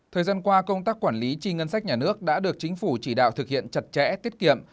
thời gian qua công tác quản lý chi ngân sách nhà nước đã được chính phủ chỉ đạo thực hiện chặt chẽ tiết kiệm